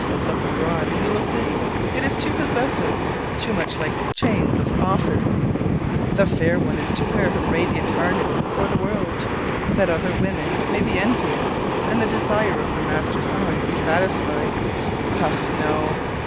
Look abroad and you will see: it is too possessive, too much like "chains of office" the fair one is to wear her radiant harness before the world, that other women may be envious and the desire of her master's eye be satisfied! Ah, no!